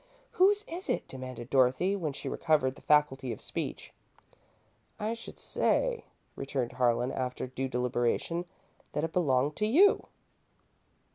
"Whose is it?" demanded Dorothy, when she recovered the faculty of speech. "I should say," returned Harlan, after due deliberation, "that it belonged to you."